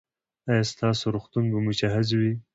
ایا ستاسو روغتون به مجهز وي؟